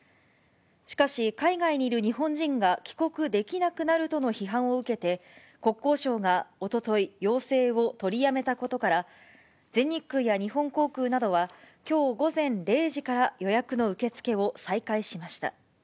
しかし、海外にいる日本人が帰国できなくなるとの批判を受けて、国交省がおととい、要請を取りやめたことから、全日空や日本航空などはきょう午前０時から予約の受け付けを再開しました。